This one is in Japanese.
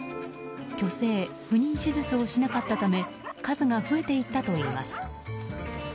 去勢・不妊手術をしなかったため数が増えていったといいます。